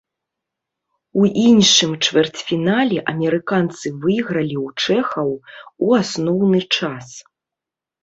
У іншым чвэрцьфінале амерыканцы выйгралі ў чэхаў у асноўны час.